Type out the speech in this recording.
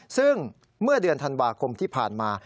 ซึ่งเมื่อเดือนธันวาคมที่ผ่านมา